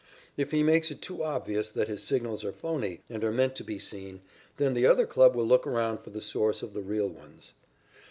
If he makes it too obvious that his signals are "phoney" and are meant to be seen, then the other club will look around for the source of the real ones.